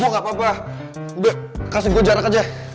oh gak apa apa udah kasih gue jarak aja